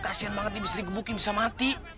kasian banget dia bisa digebukin bisa mati